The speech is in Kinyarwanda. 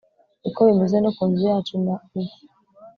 Ni ko bimeze no ku nzu yacu na ubu